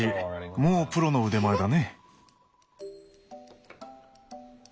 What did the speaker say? もうプロの腕前だね。